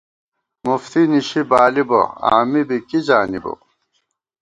مُفتی نِشی بالِبہ ، آمی بی کی زانِبہ